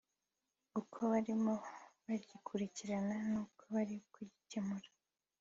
uko barimo bagikurikirana n’uko bari bugikemure